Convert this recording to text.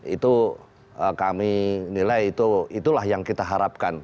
itu kami nilai itulah yang kita harapkan